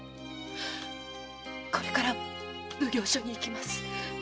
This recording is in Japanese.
これから奉行所に行きます。